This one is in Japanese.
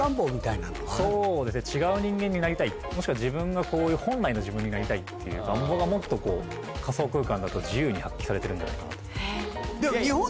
そうですね違う人間になりたいもしくは自分が本来の自分になりたいっていう願望がもっとこう仮想空間だと自由に発揮されてるんじゃないかなと。